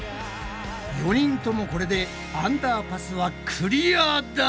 ４人ともこれでアンダーパスはクリアだ！